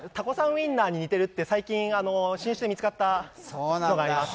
ウインナーに似てるって最近、新種で見つかったものなので。